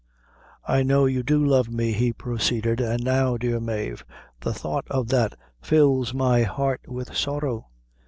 "I know you do love me," he proceeded, "and now, dear Mave, the thought of that fills my heart with sorrow."